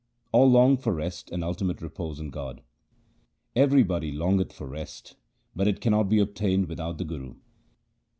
All long for rest and ultimate repose in God :— Everybody longeth for rest, but it cannot be obtained with out the Guru.